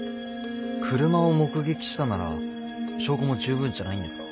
車を目撃したなら証拠も十分じゃないんですか？